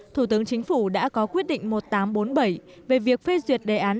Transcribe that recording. thủ tướng chính phủ đã có quyết định một nghìn tám trăm bốn mươi bảy về việc phê duyệt đề án